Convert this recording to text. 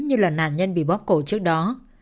như là nạn nhân bị bóp cổ trước đó